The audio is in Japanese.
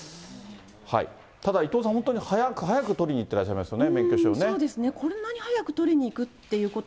ただ、伊藤さん、本当に早く早く取りにいってらっしゃいますね。